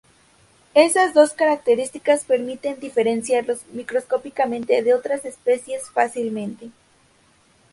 Esas dos características permiten diferenciarlos microscópicamente de otras especies fácilmente.